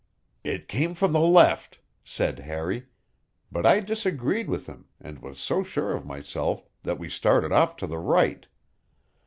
"It came from the left," said Harry; but I disagreed with him and was so sure of myself that we started off to the right.